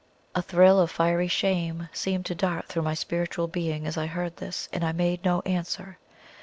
A thrill of fiery shame seemed to dart through my spiritual being as I heard this, and I made no answer.